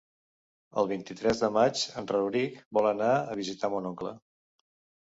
El vint-i-tres de maig en Rauric vol anar a visitar mon oncle.